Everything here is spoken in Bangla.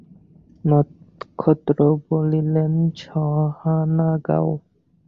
নক্ষত্ররায় বলিলেন, সাহানা গাও।